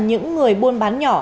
và những người buôn bán nhỏ